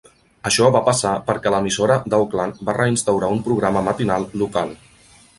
Això va passar perquè l'emissora d'Auckland va reinstaurar un programa matinal local.